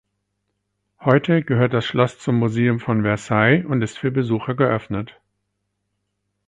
Heute gehört das Schloss zum Museum von Versailles und ist für Besucher geöffnet.